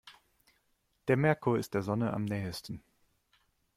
Der Merkur ist der Sonne am nähesten.